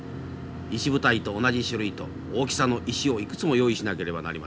石舞台と同じ種類と大きさの石をいくつも用意しなければなりません。